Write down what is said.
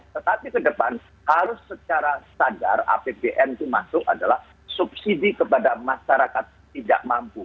tetapi ke depan harus secara sadar apbn itu masuk adalah subsidi kepada masyarakat tidak mampu